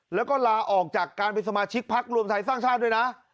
แล้วก็ลาออกจากการเป็นสมาชิกพักรวมไทยสร้างชาติด้วยนะ